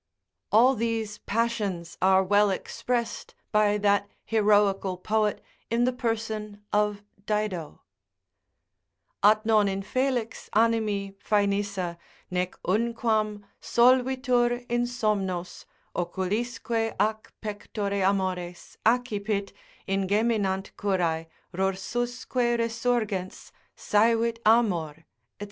All these passions are well expressed by that heroical poet in the person of Dido: At non infelix animi Phaenissa, nec unquam Solvitur in somnos, oculisque ac pectore amores Accipit; ingeminant curae, rursusque resurgens Saevit amor, &c.